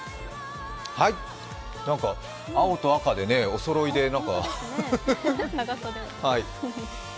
青と赤で、おそろいでね。